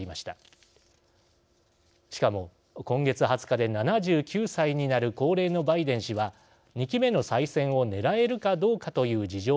しかも今月２０日で７９歳になる高齢のバイデン氏は２期目の再選をねらえるかどうかという事情もあります。